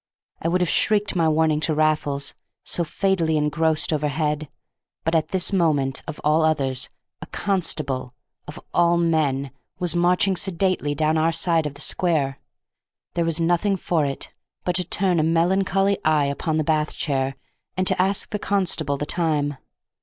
I would have shrieked my warning to Raffles, so fatally engrossed overhead, but at this moment (of all others) a constable (of all men) was marching sedately down our side of the square. There was nothing for it but to turn a melancholy eye upon the bath chair, and to ask the constable the time.